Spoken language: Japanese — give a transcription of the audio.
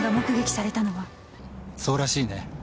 そうらしいね。